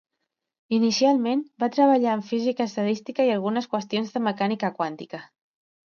Inicialment va treballar en física estadística i algunes qüestions de mecànica quàntica.